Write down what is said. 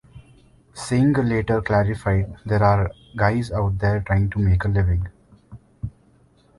Singh later clarified, There are guys out there trying to make a living.